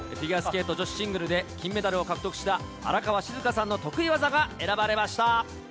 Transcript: フィギュアスケート女子シングルで、金メダルを獲得した荒川静香さんの得意技が選ばれました。